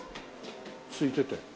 すいてて。